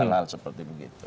hal hal seperti begitu